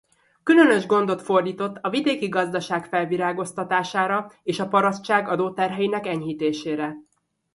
Különös gondot fordított a vidéki gazdaság felvirágoztatására és a parasztság adóterheinek enyhítésére.